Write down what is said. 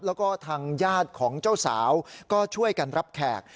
แล้วก็ทางญาติของเจ้าสาวก็ช่วยกันรับแขก